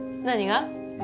何が？